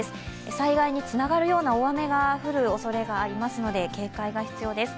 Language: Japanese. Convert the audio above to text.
災害につながるような大雨が降るおそれがありますので、警戒が必要です。